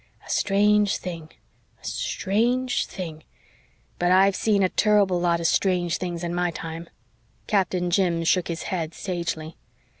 A strange thing a strange thing! But I've seen a turrible lot of strange things in my time." Captain Jim shook his head sagely.